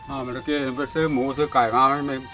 อ้าวเมื่อกี้ไปซื้อหมูซื้อไก่ไหม